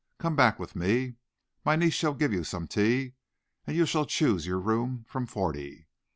Come back with me. My niece shall give you some tea, and you shall choose your room from forty.